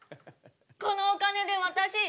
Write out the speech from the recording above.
このお金で私